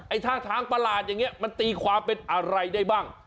ท่าทางประหลาดอย่างนี้มันตีความเป็นอะไรได้บ้าง